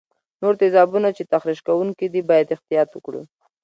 نور تیزابونه چې تخریش کوونکي دي باید احتیاط وکړو.